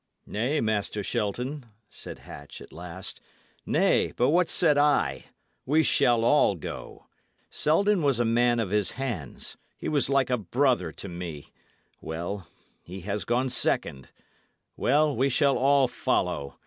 "Nay, Master Shelton," said Hatch, at last "nay, but what said I? We shall all go. Selden was a man of his hands; he was like a brother to me. Well, he has gone second; well, we shall all follow!